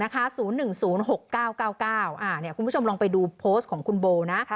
คุณผู้ชมลองไปดูโพสต์ของคุณโบนะ